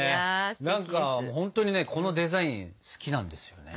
何かほんとにねこのデザイン好きなんですよね。